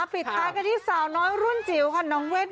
ผิดท่ากันที่สาวน้อยรุ่นจิ๊วครั้งน้องเวสมนตร์